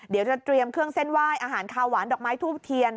เดี๋ยวจะเตรียมเครื่องเส้นไหว้อาหารคาวหวานดอกไม้ทูบเทียน